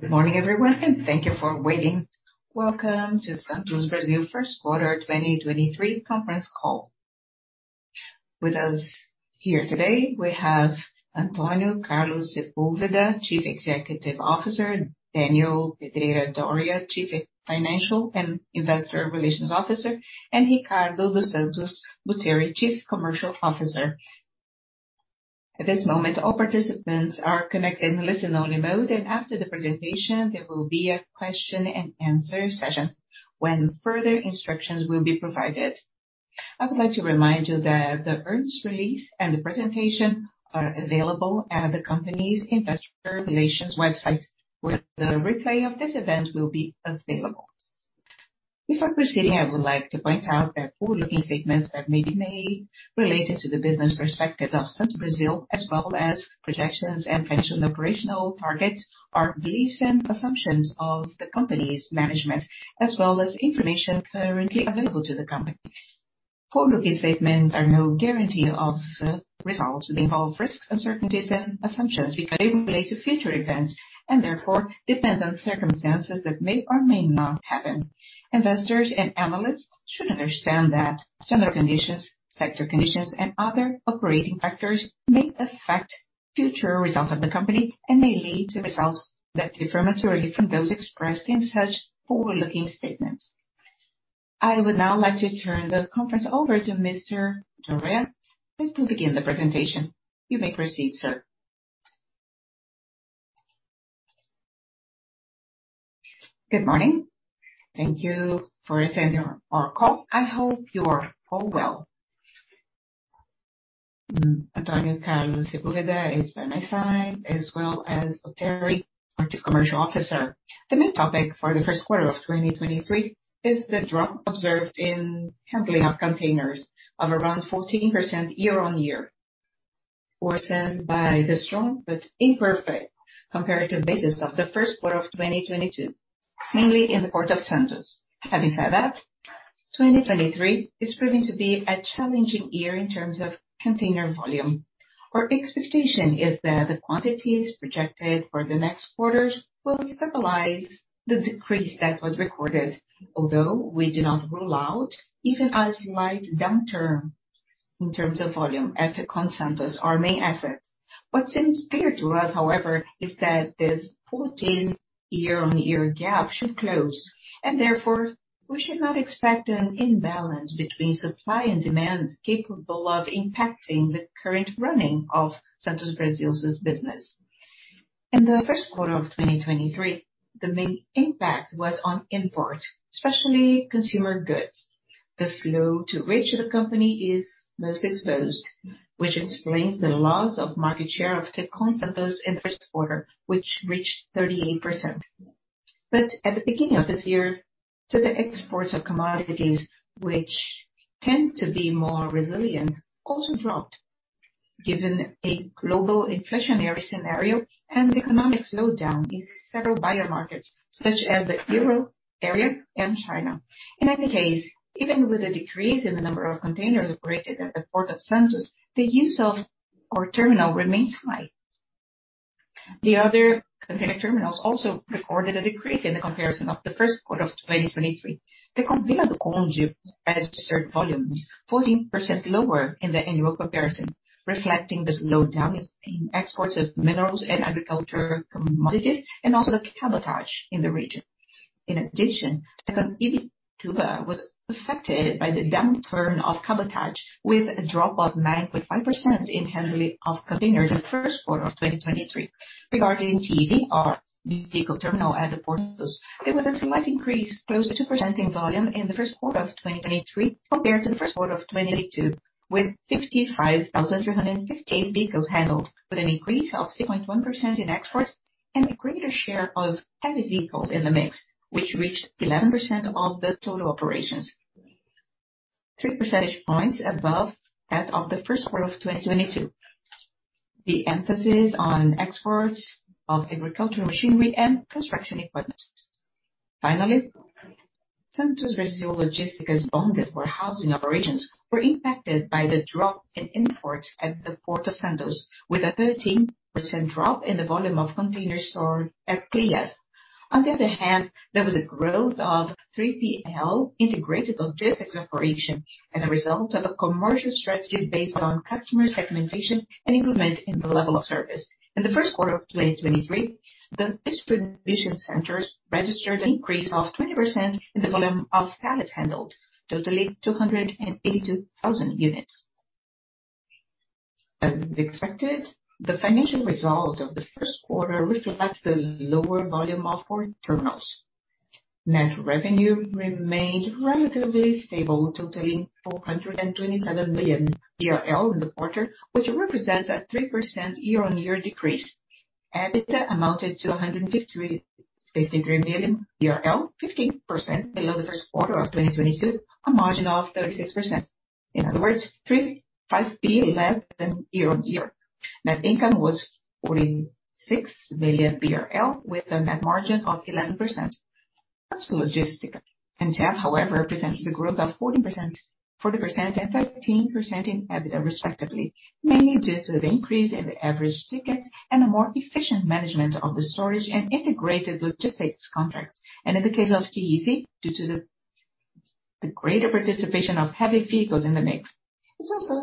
Good morning everyone. Thank you for waiting. Welcome to Santos Brasil First Quarter 2023 conference call. With us here today we have Antônio Carlos Sepúlveda, Chief Executive Officer, Daniel Pedreira Doria, Chief Financial and Investor Relations Officer, and Ricardo Dos Santos Buteri, Chief Commercial Officer. At this moment, all participants are connected in listen-only mode, and after the presentation, there will be a question and answer session when further instructions will be provided. I would like to remind you that the earnings release and the presentation are available at the company's investor relations website, where the replay of this event will be available. Before proceeding, I would like to point out that forward-looking statements that may be made related to the business perspective of Santos Brasil, as well as projections and potential operational targets are beliefs and assumptions of the company's management, as well as information currently available to the company. Forward-looking statements are no guarantee of results. They involve risks, uncertainties, and assumptions because they relate to future events and therefore depend on circumstances that may or may not happen. Investors and analysts should understand that general conditions, sector conditions, and other operating factors may affect future results of the company and may lead to results that differ materially from those expressed in such forward-looking statements. I would now like to turn the conference over to Mr. Doria, who wil l begin the presentation. You may proceed, sir. Good morning. Thank you for attending our call. I hope you're all well. Antonio Carlos Sepúlveda is by my side as well as Oteri, our Chief Commercial Officer. The main topic for the first quarter of 2023 is the drop observed in handling of containers of around 14% year-on-year, worsened by the strong but imperfect comparative basis of the first quarter of 2022, mainly in the Port of Santos. Having said that, 2023 is proving to be a challenging year in terms of container volume. Our expectation is that the quantities projected for the next quarters will stabilize the decrease that was recorded, although we do not rule out even a slight downturn in terms of volume at the Tecon Santos, our main asset. What seems clear to us, however, is that this 14 year-on-year gap should close. Therefore, we should not expect an imbalance between supply and demand capable of impacting the current running of Santos Brasil's business. In the first quarter of 2023, the main impact was on import, especially consumer goods. The flow to which the company is most exposed, which explains the loss of market share of Tecon Santos in the first quarter, which reached 38%. At the beginning of this year, the exports of commodities, which tend to be more resilient, also dropped, given a global inflationary scenario and economic slowdown in several buyer markets such as the Euro area and China. In any case, even with a decrease in the number of containers operated at the Port of Santos, the use of our terminal remains high. The other container terminals also recorded a decrease in the comparison of the 1st quarter of 2023. The Container Terminal Colúmbia registered volumes 14% lower in the annual comparison, reflecting the slowdown in exports of minerals and agriculture commodities and also the cabotage in the region. In addition, the Container Terminal de Itaguaí was affected by the downturn of cabotage with a drop of 9.5% in handling of containers in the 1st quarter of 2023. Regarding TVR, the vehicle terminal at the Port of Santos, there was a slight increase, close to 2% in volume in the first quarter of 2023 compared to the first quarter of 2022, with 55,358 vehicles handled with an increase of 6.1% in exports and a greater share of heavy vehicles in the mix, which reached 11% of the total operations. Three percentage points above that of the first quarter of 2022. The emphasis on exports of agricultural machinery and construction equipment. Finally, Santos Brasil Logística's bonded warehousing operations were impacted by the drop in imports at the Port of Santos, with a 13% drop in the volume of containers stored at CLS. On the other hand, there was a growth of 3PL integrated logistics operation as a result of a commercial strategy based on customer segmentation and improvement in the level of service. In the first quarter of 2023, the distribution centers registered an increase of 20% in the volume of pallets handled, totaling 282,000 units. As expected, the financial result of the first quarter reflects the lower volume of port terminals. Net revenue remained relatively stable, totaling 427 million in the quarter, which represents a 3% year-on-year decrease. EBITDA amounted to 153 million, 15% below the first quarter of 2022, a margin of 36%. In other words, 3.5 B less than year-on-year. Net income was 46 million with a net margin of 11%. Logistics. Tab, however, presents the growth of 14%, 40% and 13% in EBITDA respectively, mainly due to the increase in the average tickets and a more efficient management of the storage and integrated logistics contracts. In the case of GEB, due to the greater participation of heavy vehicles in the mix. It's also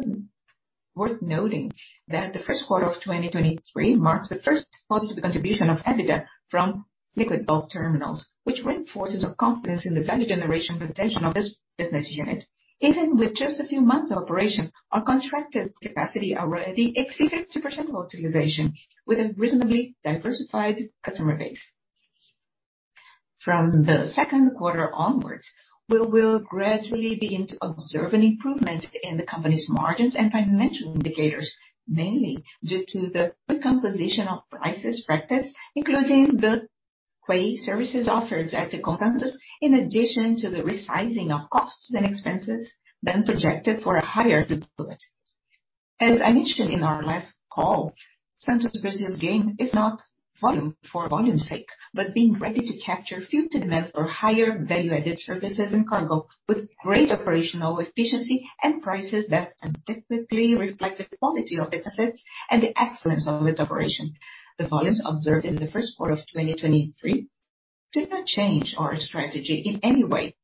worth noting that the first quarter of 2023 marks the first positive contribution of EBITDA from liquid bulk terminals, which reinforces our confidence in the value generation potential of this business unit. Even with just a few months of operation, our contracted capacity already exceeded 2% utilization with a reasonably diversified customer base. From the second quarter onwards, we will gradually begin to observe an improvement in the company's margins and financial indicators, mainly due to the good composition of prices practice, including the quay services offered at Tecon Santos, in addition to the resizing of costs and expenses then projected for a higher throughput. As I mentioned in our last call, Santos Brasil's gain is not volume for volume's sake, but being ready to capture future demand for higher value-added services and cargo with great operational efficiency and prices that adequately reflect the quality of its assets and the excellence of its operation. The volumes observed in the first quarter of 2023 did not change our strategy in any way,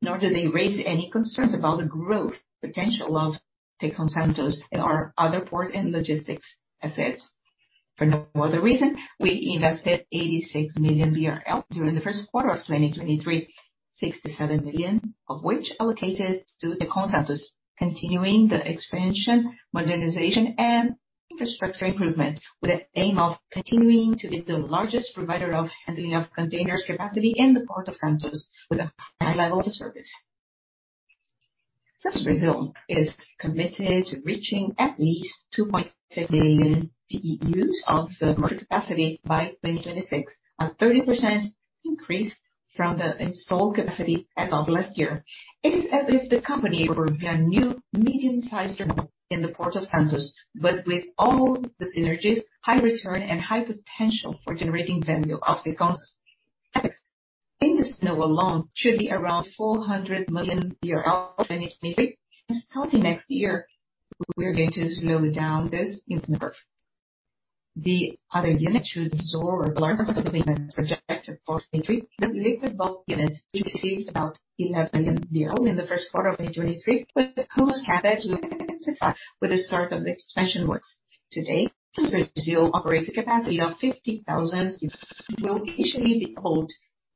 nor do they raise any concerns about the growth potential of Tecon Santos and our other port and logistics assets. For no other reason, we invested 86 million BRL during the first quarter of 2023, 67 million of which allocated to Tecon Santos, continuing the expansion, modernization, and infrastructure improvement with the aim of continuing to be the largest provider of handling of containers capacity in the Port of Santos with a high level of service. Santos Brasil is committed to reaching at least 2.6 million TEUs of cargo capacity by 2026. A 30% increase from the installed capacity as of last year. It is as if the company were a new medium-sized terminal in the Port of Santos, but with all the synergies, high return and high potential for generating value of Tecon Santos. In this alone should be around 400 million in 2023. Starting next year, we're going to slow down this inward. The other unit should absorb a large part of the payments projected for 2023. The liquid bulk unit received about 11 million in the first quarter of 2023, with the lowest CapEx we've identified with the start of the expansion works. Today, Santos Brasil operates a capacity of 50,000. It will initially be cold,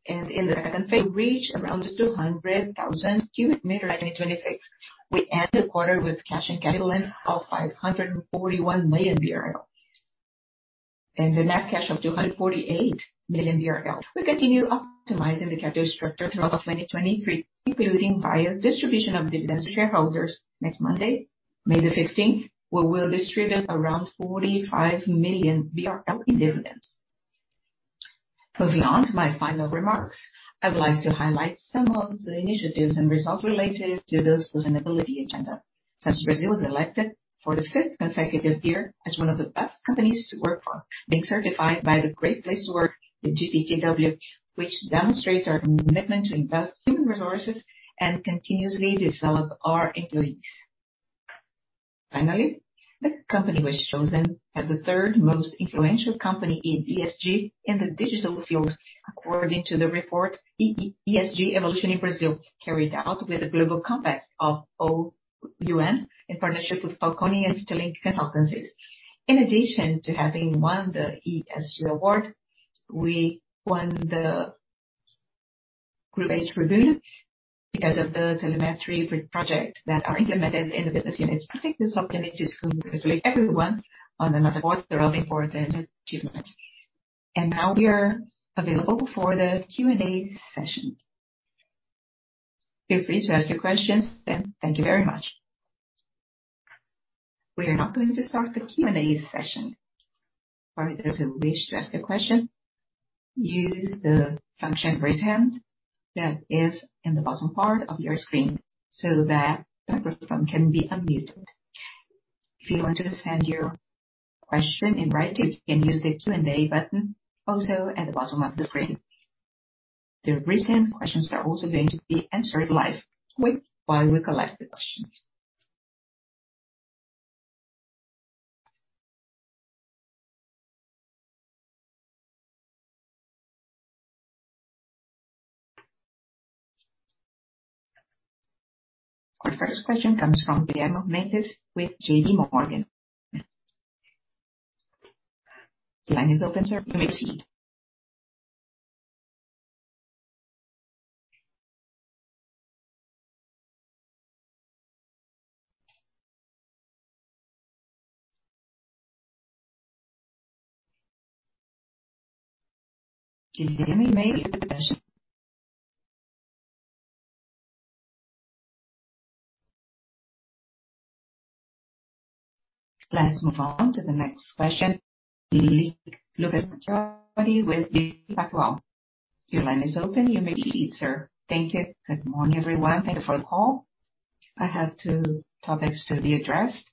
and in the second phase will reach around 200,000 cubic meter in 2026. We end the quarter with cash and cash equivalents of 541 million BRL. The net cash of 248 million BRL. We continue optimizing the capital structure throughout of 2023, including via distribution of dividends to shareholders. Next Monday, May the 16th, we will distribute around 45 million in dividends. Moving on to my final remarks, I would like to highlight some of the initiatives and results related to the sustainability agenda. Santos Brasil was elected for the fifth consecutive year as one of the best companies to work for, being certified by the Great Place to Work, the GPTW, which demonstrates our commitment to invest human resources and continuously develop our employees. Finally, the company was chosen as the third most influential company in ESG in the digital field, according to the report ESG Evolution in Brazil, carried out with the UN Global Compact in partnership with Falconi and Stark consultancies. In addition to having won the ESG award, we won the Great Reboot because of the telemetry project that are implemented in the business units. I thank the top managers who congratulate everyone on another quarter of important achievements. Now we are available for the Q&A session. Feel free to ask your questions, and thank you very much. We are now going to start the Q&A session. For those who wish to ask a question, use the function Raise Hand that is in the bottom part of your screen, so that microphone can be unmuted. If you want to send your question in writing, you can use the Q&A button also at the bottom of the screen. The raise hand questions are also going to be answered live quick while we collect the questions. Our first question comes from Diego Mendes with JP Morgan. The line is open, sir. You may proceed. Diego, you may ask the question. Let's move on to the next question. Lucas Tody Your line is open. You may proceed, sir. Thank you. Good morning, everyone. Thank you for the call. I have two topics to be addressed.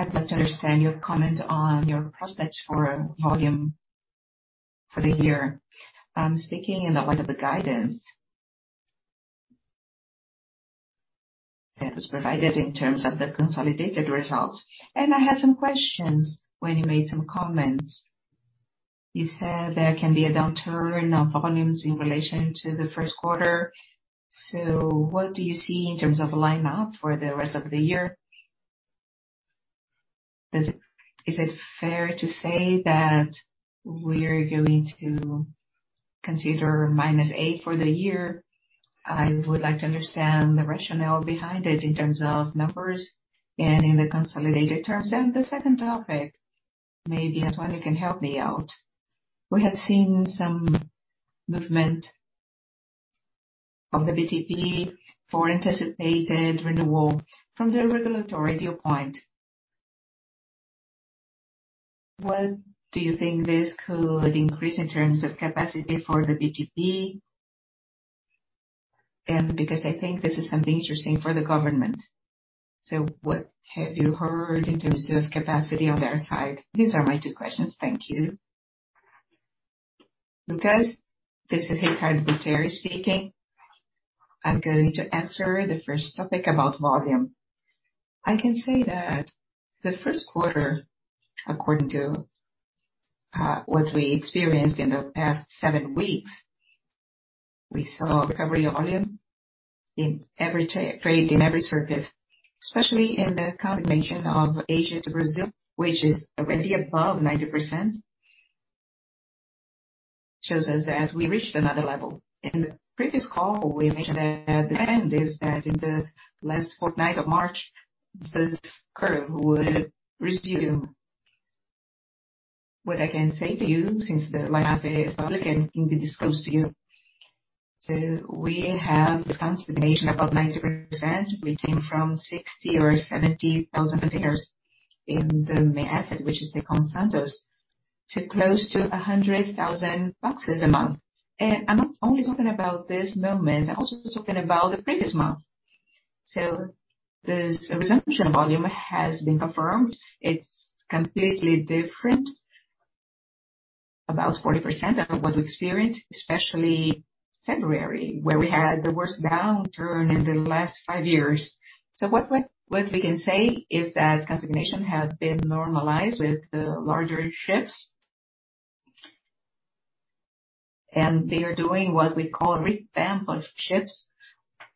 I'd like to understand your comment on your prospects for volume for the year. Speaking in the light of the guidance that was provided in terms of the consolidated results, I had some questions when you made some comments. You said there can be a downturn of volumes in relation to the first quarter. What do you see in terms of lineup for the rest of the year? Is it fair to say that we're going to consider minus eight for the year? I would like to understand the rationale behind it in terms of numbers and in the consolidated terms. The second topic, maybe, Antonio, you can help me out. We have seen some movement of the BTP for anticipated renewal from the regulatory point. What do you think this could increase in terms of capacity for the BTP? Because I think this is something interesting for the government. What have you heard in terms of capacity on their side? These are my two questions. Thank you. Lucas, this is Ricardo dos Santos Buteri speaking. I'm going to answer the first topic about volume. I can say that the first quarter, according to what we experienced in the past seven weeks, we saw recovery volume in every trade, in every surface, especially in the consignation of Asia to Brazil, which is already above 90%, shows us that we reached another level. In the previous call, we mentioned that the trend is that in the last fortnight of March, this curve would resume. What I can say to you, since the lineup is public and can be disclosed to you, we have the consignation above 90%. We came from 60,000 or 70,000 containers in the May asset, which is the Tecon Santos, to close to 100,000 boxes a month. I'm not only talking about this moment, I'm also talking about the previous month. The resumption volume has been confirmed. It's completely different, about 40% of what we experienced, especially February, where we had the worst downturn in the last five years. What we can say is that consignation has been normalized with the larger ships. They are doing what we call a revamp of ships,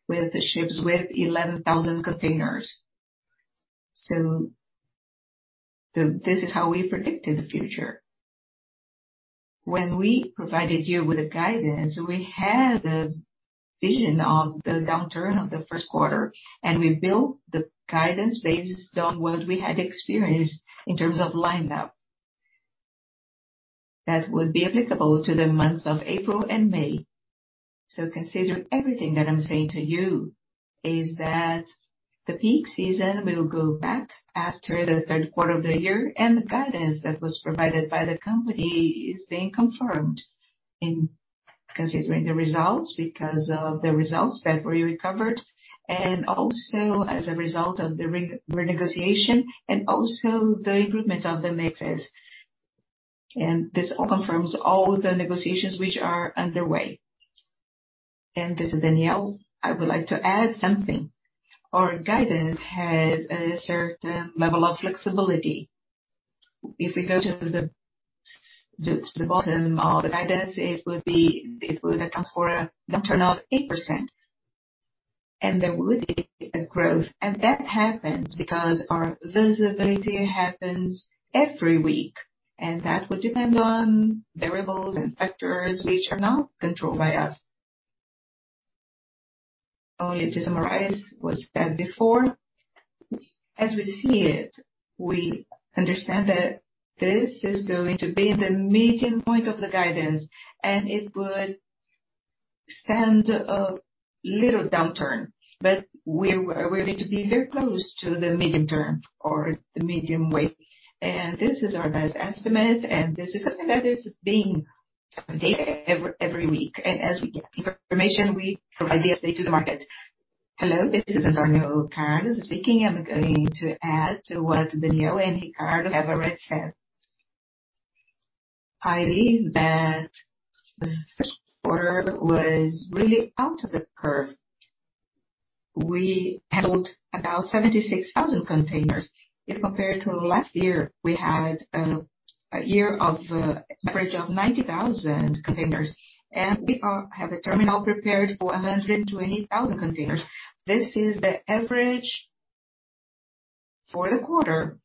with the ships with 11,000 containers. This is how we predicted the future. When we provided you with a guidance, we had a vision of the downturn of the first quarter, and we built the guidance based on what we had experienced in terms of lineup that would be applicable to the months of April and May. Consider everything that I'm saying to you is that the peak season will go back after the third quarter of the year, and the guidance that was provided by the company is being confirmed in considering the results because of the results that were recovered, and also as a result of the renegotiation and also the improvement of the mix. This confirms all the negotiations which are underway. This is Daniel. I would like to add something. Our guidance has a certain level of flexibility. If we go to the bottom of the guidance, it would be... It would account for a downturn of 8%. There would be a growth. That happens because our visibility happens every week, and that would depend on variables and factors which are not controlled by us. Only to summarize what's said before, as we see it, we understand that this is going to be in the meeting point of the guidance, and it would stand a little downturn. We're going to be very close to the medium-term or the medium way. This is our best estimate, and this is something that is being updated every week. As we get information, we provide the update to the market. Hello, this is Antonio Carlos speaking. I'm going to add to what Daniel and Ricardo have already said. I believe that the first quarter was really out of the curve. We handled about 76,000 containers. If compared to last year, we had a year of average of 90,000 containers, and we have a terminal prepared for 120,000 containers. This is the average for the quarter.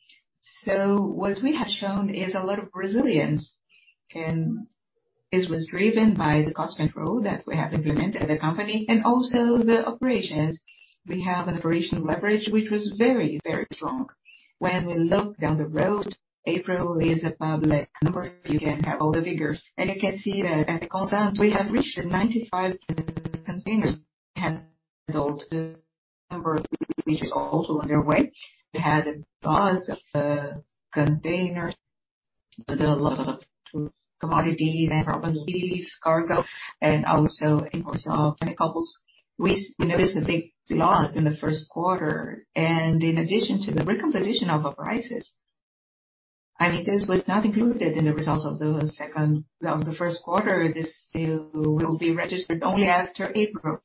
What we have shown is a lot of resilience, and this was driven by the cost control that we have implemented at the company and also the operations. We have an operational leverage, which was very, very strong. When we look down the road, April is a public number. You can have all the figures, and you can see that at Consantos we have reached 95 containers. We have handled the number, which is also underway. The loss of commodities and cargo, and also imports of vehicles. We noticed a big loss in the first quarter. In addition to the recomposition of our prices, I mean, this was not included in the results of the first quarter. This will be registered only after April.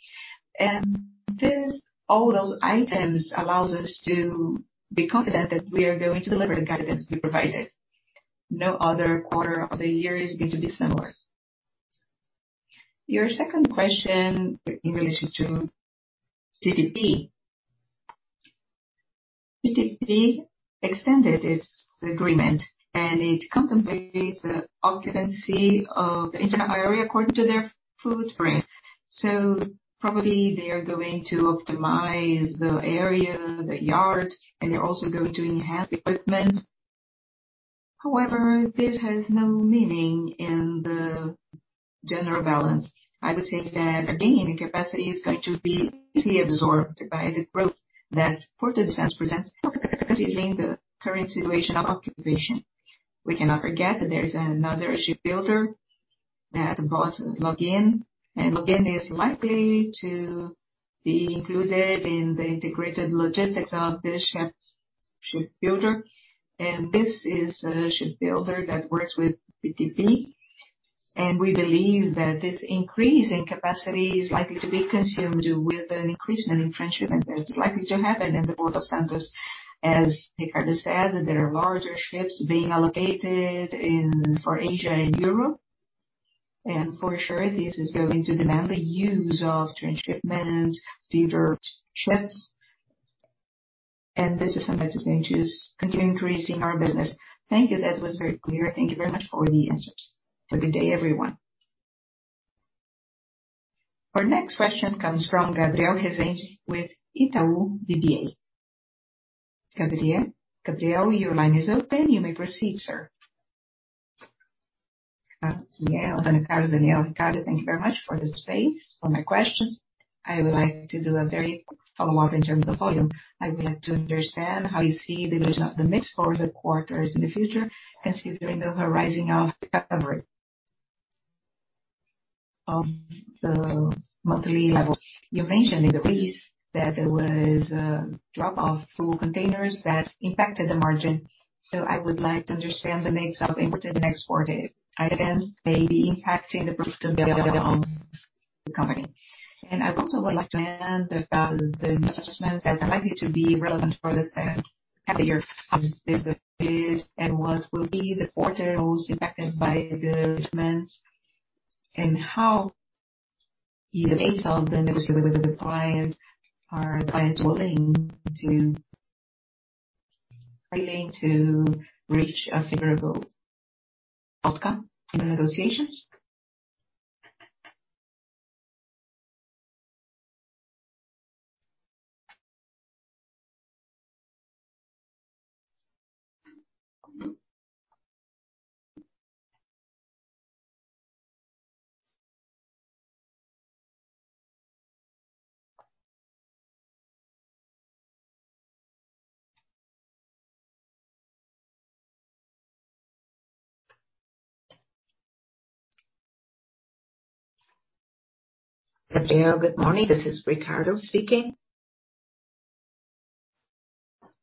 This, all those items allows us to be confident that we are going to deliver the guidance we provided. No other quarter of the year is going to be similar. Your second question in relation to BTP. BTP extended its agreement, and it contemplates the occupancy of the entire area according to their full strength. Probably they are going to optimize the area, the yard, and they're also going to enhance equipment. However, this has no meaning in the general balance. I would say that any capacity is going to be easily absorbed by the growth that Port of Santos presents, considering the current situation of occupation. We cannot forget that there is another shipbuilder that brought Log-In, Log-In is likely to be included in the integrated logistics of this shipbuilder. This is a shipbuilder that works with BTP. We believe that this increase in capacity is likely to be consumed with an increase in transshipment that is likely to happen in the Port of Santos. As Ricardo said, there are larger ships being allocated for Asia and Europe. For sure this is going to demand the use of transshipments, diverse ships. This is something that is going to continue increasing our business. Thank you. That was very clear. Thank you very much for the answers. Have a good day, everyone. Our next question comes from Gabriel Rezende with Itaú BBA. Gabriel. Gabriel, your line is open. You may proceed, sir. Danielle, Ricardo. Danielle, Ricardo, thank you very much for the space, for my questions. I would like to do a very quick follow-up in terms of volume. I would like to understand how you see the evolution of the mix for the quarters in the future, considering the rising of February of the monthly level. You mentioned in the release that there was a drop of full containers that impacted the margin. I would like to understand the mix of imported and exported items may be impacting the profitability of the company. I also would like to add that the business assessment that's likely to be relevant for this half year. How is the space and what will be the quarter most impacted by the assessment, and how is the sales negotiated with the client? Are clients willing to reach a favorable outcome in the negotiations? Gabriel, good morning. This is Ricardo speaking.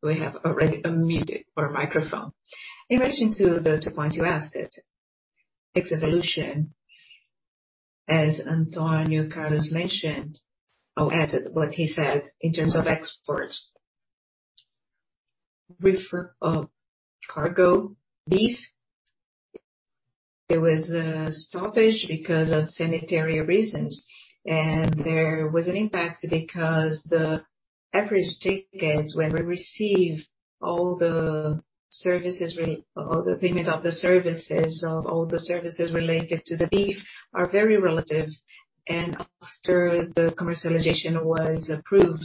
We have already unmuted your microphone. In relation to the two points you asked, its evolution, as Antonio Carlos mentioned or added what he said in terms of exports. Cargo, beef, there was a stoppage because of sanitary reasons, and there was an impact because the average tickets when we receive all the services All the payment of the services, of all the services related to the beef are very relative. After the commercialization was approved,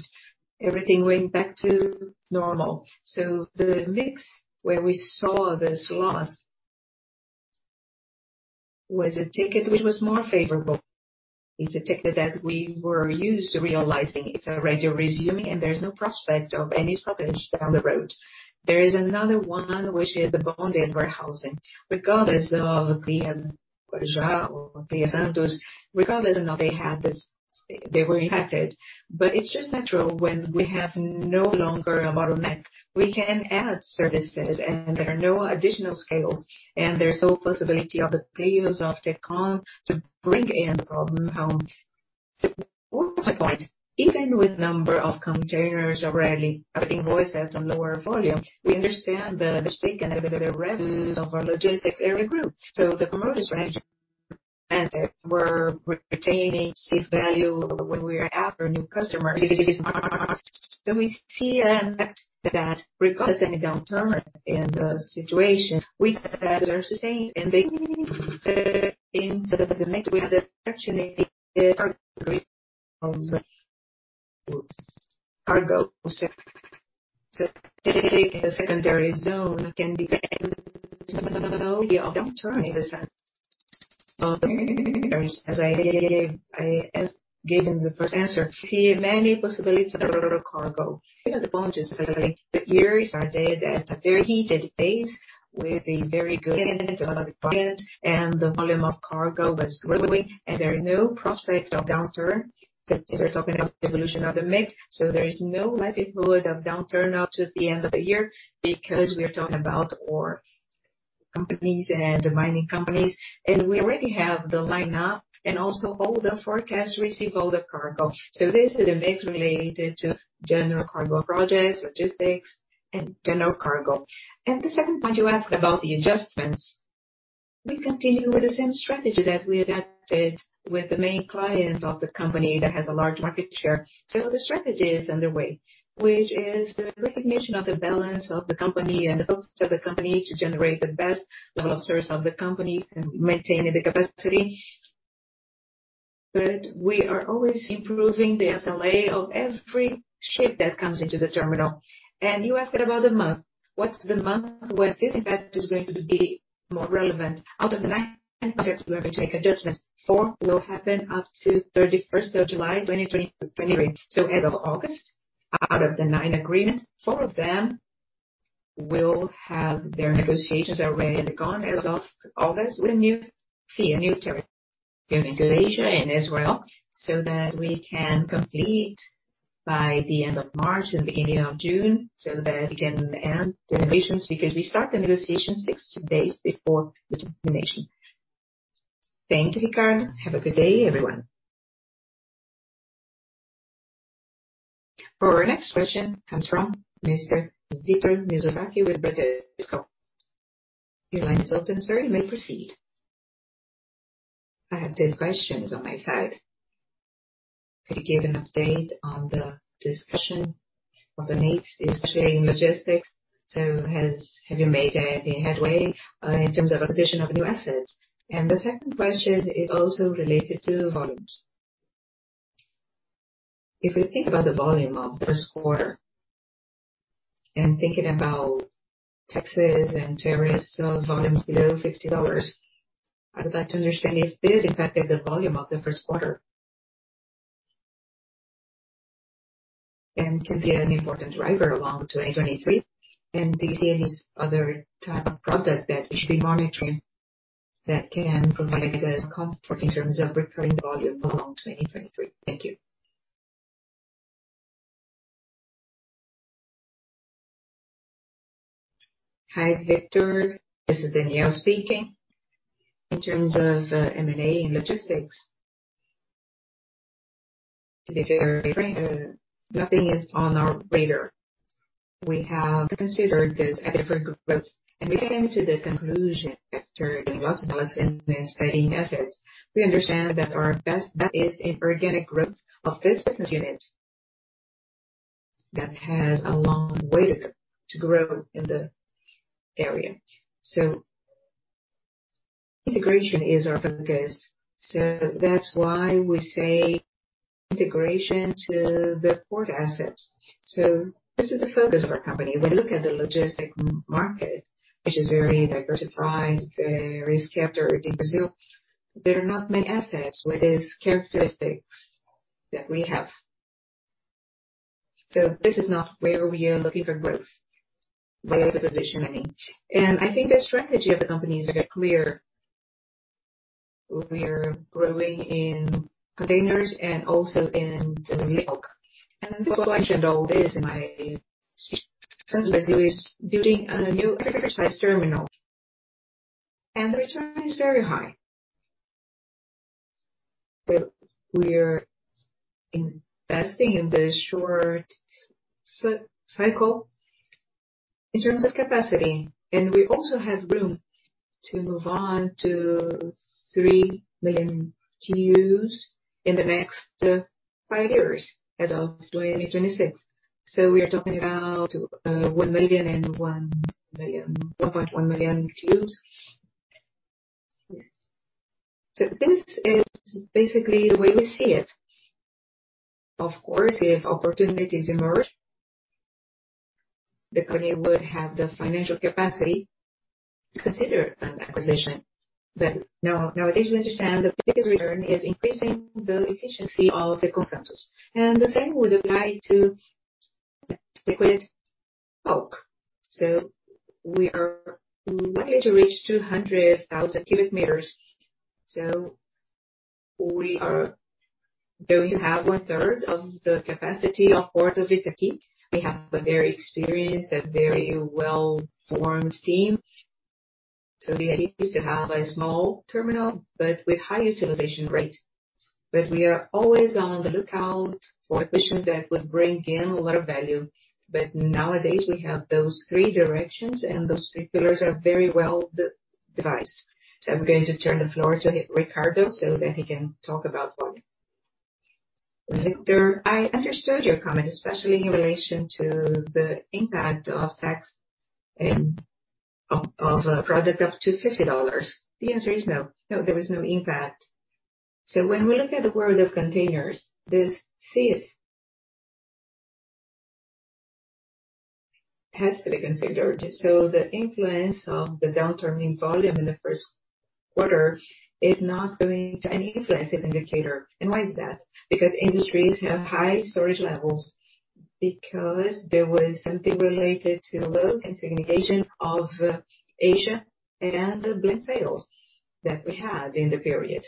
everything went back to normal. The mix where we saw this loss was a ticket which was more favorable. It's a ticket that we were used to realizing. It's already resuming and there's no prospect of any stoppage down the road. There is another one which is the bonded warehousing. Regardless of the Port of Raja or the Santos, regardless of how they had this, they were impacted. It's just natural when we have no longer a bottleneck, we can add services and there are no additional scales, and there's no possibility of the players of Tecum to bring in the problem home. One other point, even with number of containers already invoiced at a lower volume, we understand the stake and the revenues of our logistics area group. The promoters range, and we're retaining ship value when we have our new customers. We see an effect that regardless of any downturn in the situation, we are sustained. In the next we have the opportunity to start cargo. The secondary zone can depend on the downturn in the sense. As I gave in the first answer, see many possibilities of cargo. The point is that the years are there at a very heated pace with a very good end product, and the volume of cargo was growing, and there is no prospect of downturn. These are talking about the evolution of the mix. There is no likelihood of downturn up to the end of the year because we are talking about ore companies and the mining companies, and we already have the line up and also all the forecasts receive all the cargo. This is a mix related to general cargo projects, logistics and general cargo. The second point you asked about the adjustments. We continue with the same strategy that we adapted with the main clients of the company that has a large market share. The strategy is underway, which is the recognition of the balance of the company and the focus of the company to generate the best level of service of the company and maintaining the capacity. We are always improving the SLA of every ship that comes into the terminal. You asked about the month. What's the month where this impact is going to be more relevant? Out of the nine, we're going to take adjustments. four will happen up to 31st of July 2023. As of August, out of the nine agreements, four of them will have their negotiations already gone as of August. We'll see a new territory in Asia and as well, so that we can complete by the end of March and beginning of June, so that we can end the negotiations because we start the negotiation 60 days before the termination. Thank you, Ricardo. Have a good day, everyone. Our next question comes from Victor Mizusaki with Bradesco BBI. Your line is open, sir. You may proceed. I have two questions on my side. Could you give an update on the discussion of the M&A in logistics. Have you made any headway in terms of acquisition of new assets? The second question is also related to volumes. If you think about the volume of first quarter and thinking about TEUs and tariffs volumes below $50, I would like to understand if this impacted the volume of the first quarter. Can be an important driver along 2023. Do you see any other type of product that we should be monitoring that can provide us comfort in terms of recurring volume along 2023? Thank you. Hi, Victor. This is Danielle speaking. In terms of M&A and logistics. Nothing is on our radar. We have considered this different growth. We came to the conclusion after doing lots of analysis and studying assets. We understand that our best bet is in organic growth of this business unit that has a long way to grow in the area. Integration is our focus. That's why we say integration to the port assets. This is the focus of our company. We look at the logistic market, which is very diversified, risk after in Brazil. There are not many assets with these characteristics that we have. This is not where we are looking for growth. Where is the positioning. I think the strategy of the company is very clear. We are growing in containers and also in bulk. This is what I shared all this in my speech. Since Brazil is building a new exercise terminal and the return is very high. We are investing in the short cycle in terms of capacity. We also have room to move on to 3 million TEUs in the next five years as of 2026. We are talking about 1.1 million TEUs. This is basically the way we see it. Of course, if opportunities emerge, the company would have the financial capacity to consider an acquisition. Now, nowadays, we understand the biggest return is increasing the efficiency of Santos Brasil. The same would apply to liquid bulk. We are likely to reach 200,000 cubic meters. We are going to have 1/3 of the capacity of Port of Itaqui. We have a very experienced and very well-formed team. The idea is to have a small terminal but with high utilization rate. We are always on the lookout for acquisitions that would bring in a lot of value. Nowadays we have those three directions and those three pillars are very well devised. I'm going to turn the floor to Ricardo so that he can talk about volume. Victor, I understood your comment, especially in relation to the impact of tax and of a product up to $50. The answer is no. No, there is no impact. When we look at the world of containers, this has to be considered. The influence of the downturn in volume in the first quarter is not going to have any influence as indicator. Why is that? Because industries have high storage levels. There was something related to low consignation of Asia and the blend sales that we had in the period.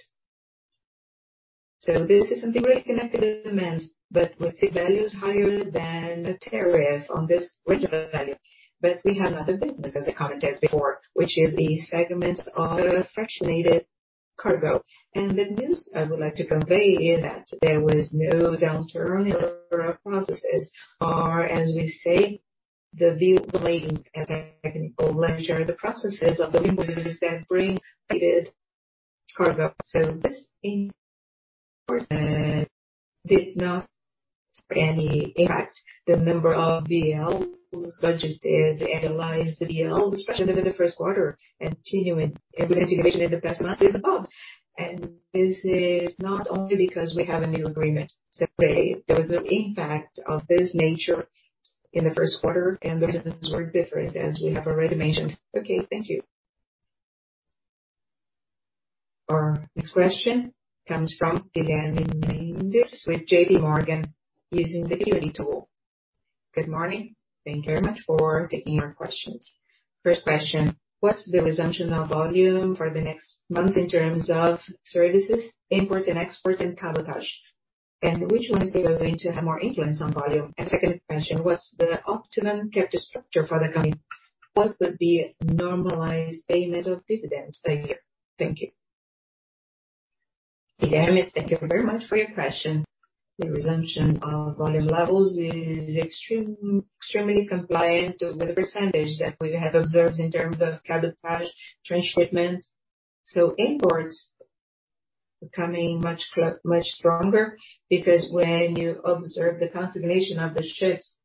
This is something very connected to demand. We see values higher than the tariff on this regional value. We have another business, as I commented before, which is the segment of the fractionated cargo. The news I would like to convey is that there was no downturn in our processes or, as we say, the view lane as a technical ledger, the processes of the businesses that bring freighted cargo. This import did not have any impact. The number of B/Ls budgeted, analyzed the B/L, especially within the first quarter, and continuing with integration in the past months is above. This is not only because we have a new agreement. Simply, there was no impact of this nature in the first quarter, the reasons were different, as we have already mentioned. Okay, thank you. Our next question comes from Guilherme Mendes with JPMorgan using the Q&A tool. Good morning. Thank you very much for taking our questions. First question, what's the resumption of volume for the next month in terms of services, imports and exports and cabotage? Which ones are going to have more influence on volume? Second question, what's the optimum capital structure for the company? What would be normalized payment of dividends? Thank you. Thank you. Guilherme, thank you very much for your question. The resumption of volume levels is extremely compliant with the percentage that we have observed in terms of cabotage transshipment. Imports becoming much stronger because when you observe the consignation of the ships,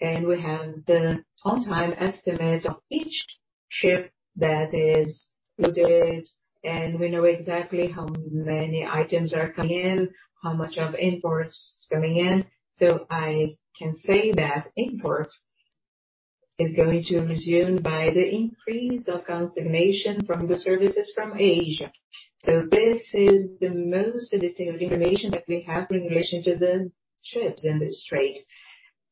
and we have the on-time estimate of each ship that is loaded, and we know exactly how many items are coming in, how much of imports is coming in. I can say that imports is going to resume by the increase of consignation from the services from Asia. This is the most detailed information that we have in relation to the ships and the strait.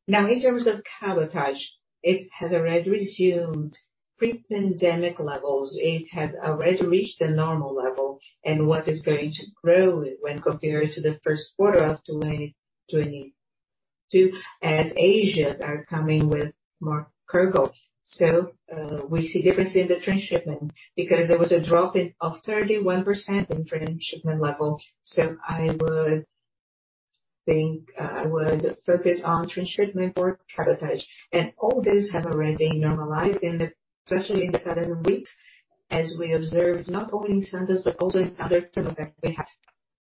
Now, in terms of cabotage, it has already resumed pre-pandemic levels. It has already reached the normal level. What is going to grow when compared to the first quarter of 2022, as Asia are coming with more cargo. We see difference in the transshipment because there was a drop in of 31% in transshipment level. I would think, I would focus on transshipment or cabotage. All these have already been normalized in the... especially in the seven weeks as we observed not only in Santos, but also in other ports that we have.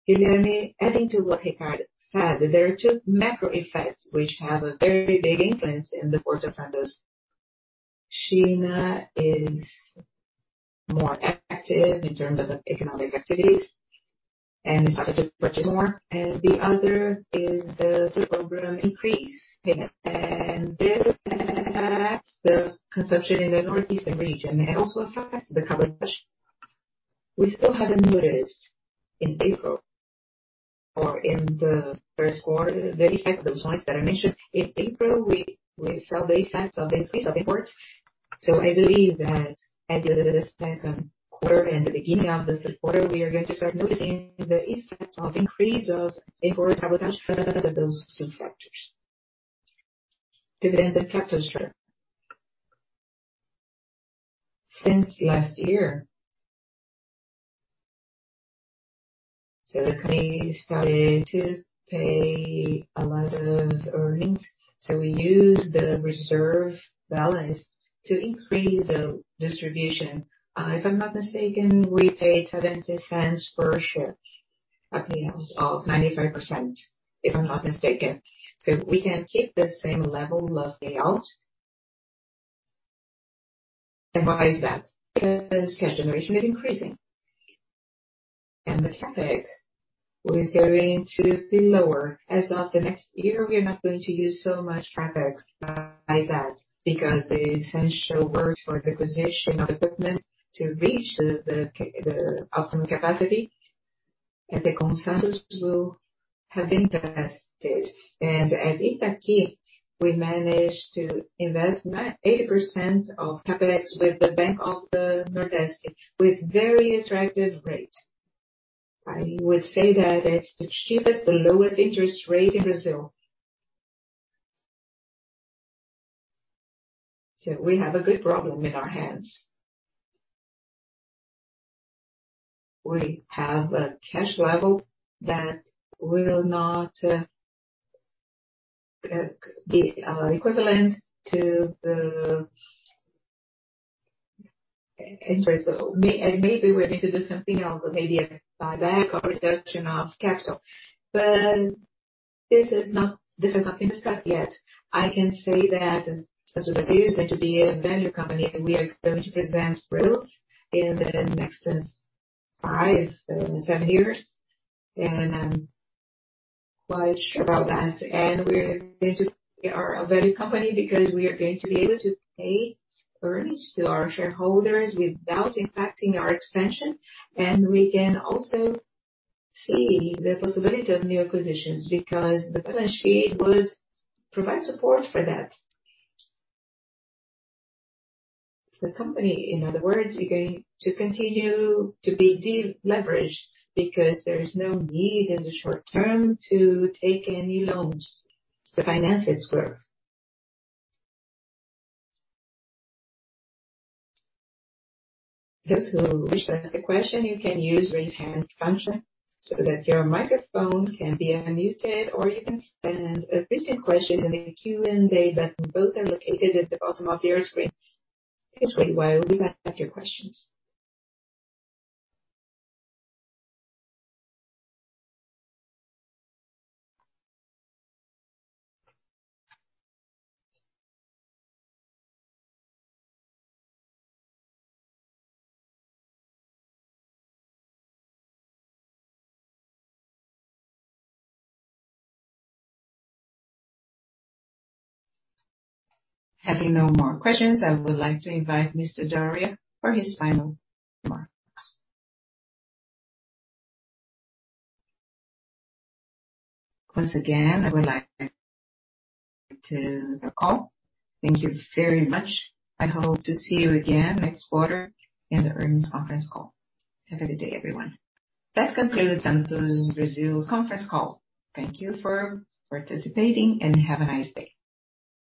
Guilherme, adding to what Ricardo said, there are two macro effects which have a very big influence in the Port of Santos. China is more active in terms of economic activities and started to purchase more. The other is the sugar increase. This impacts the consumption in the northeastern region and also affects the cabotage. We still haven't noticed in April or in the first quarter the effects of those ones that I mentioned. In April, we felt the effects of increase of imports. I believe that at the second quarter and the beginning of the third quarter, we are going to start noticing the effects of increase of imports, cabotage because of those two factors. Dividends and capital structure. Since last year. The company started to pay a lot of earnings. We used the reserve balance to increase the distribution. If I'm not mistaken, we paid $0.70 per share, a payout of 95%, if I'm not mistaken. We can keep the same level of payout. Why is that? Because cash generation is increasing and the CapEx is going to be lower. As of the next year, we are not going to use so much CapEx. Why is that? Because the essential works for the acquisition of equipment to reach the optimum capacity at the Santos have been invested. At Itaqui, we managed to invest 80% of CapEx with the Banco do Nordeste with very attractive rate. I would say that it's the cheapest and lowest interest rate in Brazil. We have a good problem in our hands. We have a cash level that will not be equivalent to the interest. Maybe we're going to do something else or maybe a buyback or reduction of capital. This is not being discussed yet. I can say that Santos Brasil is going to be a value company, and we are going to present growth in the next five, seven years. I'm quite sure about that. We're going to be a value company because we are going to be able to pay earnings to our shareholders without impacting our expansion. We can also see the possibility of new acquisitions, because the balance sheet would provide support for that. The company, in other words, is going to continue to be de-leveraged because there is no need in the short term to take any loans to finance its growth. Those who wish to ask a question, you can use Raise Hand function so that your microphone can be unmuted, or you can send a written question in the Q&A button. Both are located at the bottom of your screen. Please wait while we collect your questions. Having no more questions, I would like to invite Mr. Doria for his final remarks. Once again, I would like to end the call. Thank you very much. I hope to see you again next quarter in the earnings conference call. Have a good day, everyone. That concludes Santos Brasil's conference call. Thank you for participating, and have a nice day.